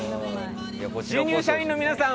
新入社員の皆さん！